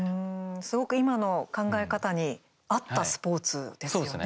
すごく今の考え方に合ったスポーツですよね。